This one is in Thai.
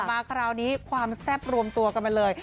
มาคราวนี้ความแซ่บรวมตัวกันไปเลย